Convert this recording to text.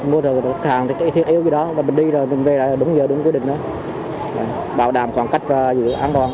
mình đi rồi mình về là đúng giờ đúng quy định đó bảo đảm khoảng cách giữ an toàn